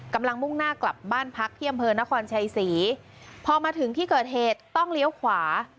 มุ่งหน้ากลับบ้านพักที่อำเภอนครชัยศรีพอมาถึงที่เกิดเหตุต้องเลี้ยวขวา